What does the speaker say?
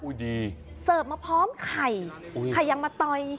อุ๊ยดีสเติร์ฟมาพร้อมไข่ไข่ยังมาตอย